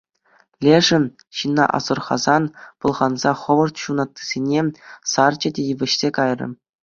Лешӗ, ҫынна асӑрхасан, пӑлханса хӑвӑрт ҫунаттисене сарчӗ те вӗҫсе кайрӗ.